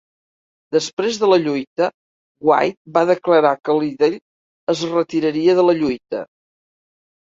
Després de la lluita, White va declarar que Liddell es retiraria de la lluita.